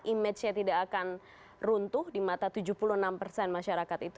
image nya tidak akan runtuh di mata tujuh puluh enam persen masyarakat itu